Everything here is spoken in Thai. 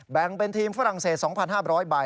แบ่งเป็นทีมฝรั่งเศส๒๕๐๐ใบ